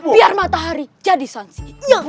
biar matahari jadi sansi